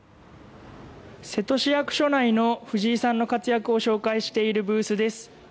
瀬戸市役所内の藤井さんの活躍を紹介しているブースです。